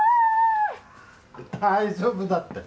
大丈夫だって。